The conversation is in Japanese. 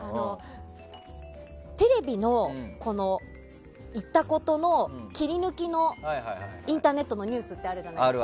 テレビで言ったことの切り抜きのインターネットのニュースってあるじゃないですか。